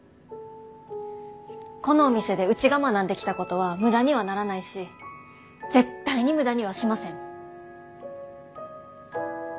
このお店でうちが学んできたことは無駄にはならないし絶対に無駄にはしません！